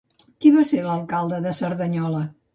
Qui va ser l'alcalde de Cerdanyola?